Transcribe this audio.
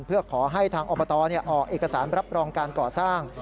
เพื่อขอให้ทางอบตออกเอกสารรับรองการก่อสร้าง